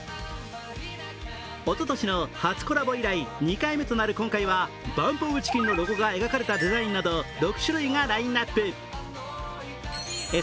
おととしの初コラボ以来２回目となる今回はＢＵＭＰＯＦＣＨＩＣＫＥＮのロゴが描かれたデザインなど６種類がラインナップ。